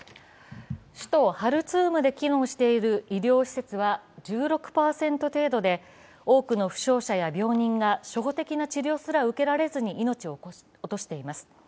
首都ハルツームで機能している医療施設は１６％程度で多くの負傷者や病人が初歩的な治療すら受けられずに命を落としています。